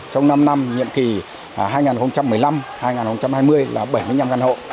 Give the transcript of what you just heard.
trong năm năm nhiệm kỳ hai nghìn một mươi năm hai nghìn hai mươi là bảy mươi năm căn hộ